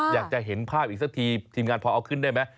อยากจะเห็นภาพอีกสักทีทีมงานพอเอาขึ้นได้ไหม